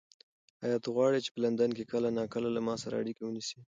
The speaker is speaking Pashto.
ایا ته غواړې چې په لندن کې کله ناکله له ما سره اړیکه ونیسې؟